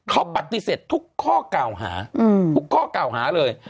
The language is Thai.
เขาบัตติเสร็จทุกข้อเก่าหาทุกข้อเก่าหาเลย